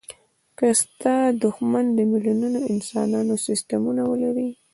که ستا دوښمن د میلیونونو انسانانو سستمونه ولري.